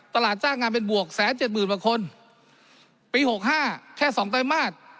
ตลาดจ้างงานเป็นบวกแสนเจ็ดหมื่นกว่าคนปีหกห้าแค่สองไตรมาส